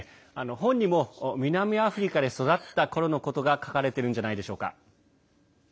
本にも南アフリカで育ったころのことが書かれてるんじゃないでしょうか。